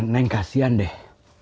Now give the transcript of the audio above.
neng kasihan deh